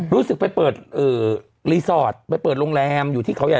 รู้สึกไปเปิดรีสอร์ทไปเปิดโรงแรมอยู่ที่เขาใหญ่